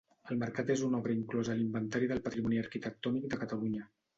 El mercat és una obra inclosa a l'Inventari del Patrimoni Arquitectònic de Catalunya.